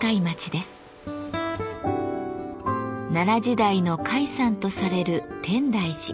奈良時代の開山とされる天台寺。